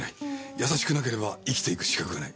優しくなければ生きていく資格がない。